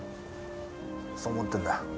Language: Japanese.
そう思ってるんだよ。